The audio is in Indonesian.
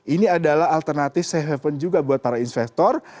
ini adalah alternatif safe haven juga buat para investor